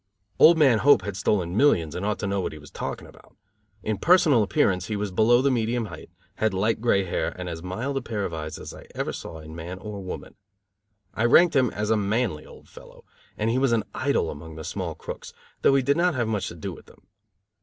Old man Hope had stolen millions and ought to know what he was talking about. In personal appearance he was below the medium height, had light gray hair and as mild a pair of eyes as I ever saw in man or woman. I ranked him as a manly old fellow, and he was an idol among the small crooks, though he did not have much to do with them.